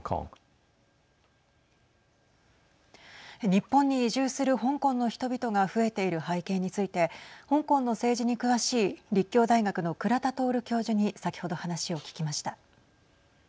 日本に移住する香港の人々が増えている背景について香港の政治に詳しい立教大学の倉田徹教授に先ほど話を聞きました。